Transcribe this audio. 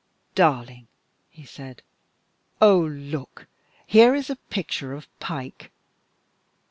"Darling!" he said "Oh! look! here is a picture of Pike!"